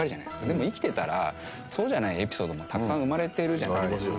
でも生きてたらそうじゃないエピソードもたくさん生まれてるじゃないですか。